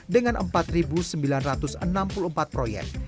dengan empat sembilan ratus enam puluh empat proyek